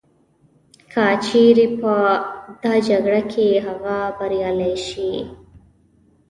که چیري په دا جګړه کي هغه بریالی سي